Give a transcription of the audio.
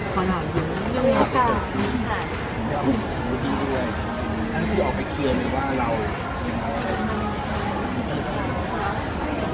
ผมว่าเราอยากให้คางออกดังนั้นเนี่ย